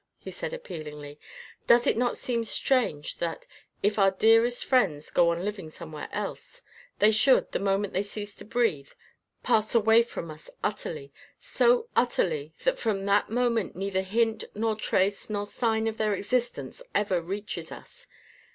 he said appealingly, " does it not seem strange that, if our dearest friends go on living somewhere else, they should, the moment they cease to breathe, pass away from us utterly so utterly that from that moment neither hint nor trace nor sign of their existence ever reaches us?